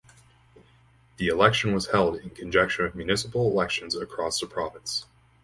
The election was held in conjunction with municipal elections across the province.